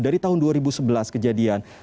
dari tahun dua ribu sebelas kejadian